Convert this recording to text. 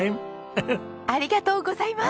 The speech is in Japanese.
ありがとうございます！